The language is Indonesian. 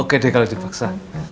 oke deh kalau dibaksa